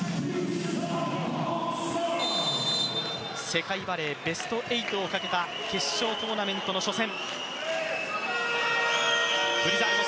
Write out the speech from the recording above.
世界バレーベスト８をかけた決勝トーナメントの初戦。